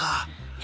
え